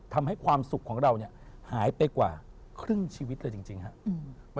ทำให้ความสุขของเราเนี่ยหายไปกว่าครึ่งชีวิตเลยจริงครับ